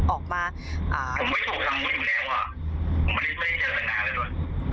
ออกมาอ่าผมไม่ถูกทำผมไม่ถูกแน่ว่ะผมไม่ได้เจอสัญญาณเลย